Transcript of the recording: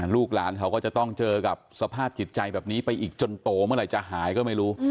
ลูกหลานเขาก็จะต้องเจอกับสภาพจิตใจแบบนี้ไปอีกจนโตเมื่อไหร่จะหายก็ไม่รู้